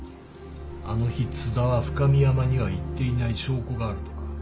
あの日津田は深美山には行っていない証拠があるとか